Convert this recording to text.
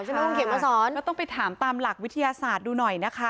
คุณเขียนมาสอนก็ต้องไปถามตามหลักวิทยาศาสตร์ดูหน่อยนะคะ